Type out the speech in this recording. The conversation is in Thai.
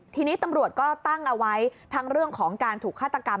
ทีนี้ตำรวจก็ตั้งเอาไว้ทั้งเรื่องของการถูกฆาตกรรม